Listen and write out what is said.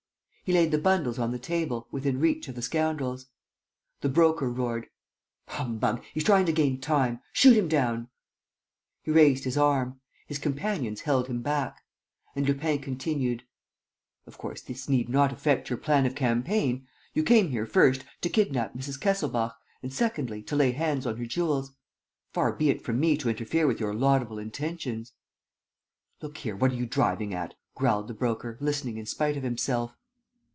He laid the bundles on the table, within reach of the scoundrels. The Broker roared: "Humbug! He's trying to gain time. Shoot him down!" He raised his arm. His companions held him back. And Lupin continued: "Of course, this need not affect your plan of campaign. You came here, first, to kidnap Mrs. Kesselbach and, secondly, to lay hands on her jewels. Far be it from me to interfere with your laudable intentions!" "Look here, what are you driving at?" growled the Broker, listening in spite of himself.